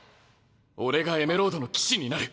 俺がエメロードの騎士になる。